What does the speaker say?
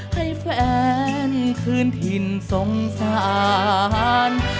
ให้แฟนคืนถิ่นสงสาร